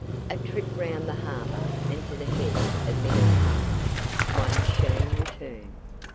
"A trip round the harbour and to the head of Middle Harbour one shilling return!"